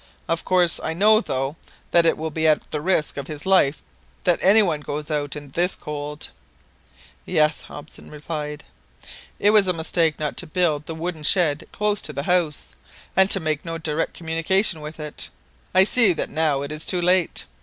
Of course I know, though, that it will be at the risk of his life that any one goes out in this cold !" "Yes," replied Hobson. "It was a mistake not to build the wooden shed close to the house, and to make no direct communication with it. I see that now it is too late.